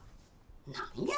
何や！